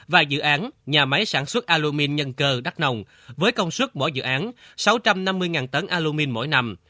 và dự án nhà máy sản xuất alumin nhân cơ đắk nông với công suất mỗi dự án sáu trăm năm mươi tấn alumin mỗi năm